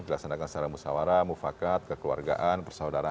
dilaksanakan secara musawarah mufakat kekeluargaan persaudaraan